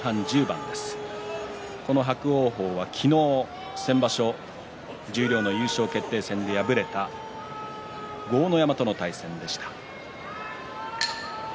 この伯桜鵬は昨日、先場所、十両の優勝決定戦で敗れた豪ノ山との対戦でした。